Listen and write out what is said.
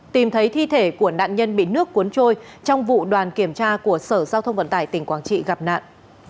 tìm thấy thi thể của nạn nhân bị nước cuốn trôi trong vụ đoàn kiểm tra của sở giao thông vận tải tỉnh quảng trị gặp nạn